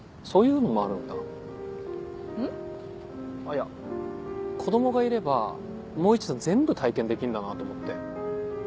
いや子供がいればもう一度全部体験できんだなと思って。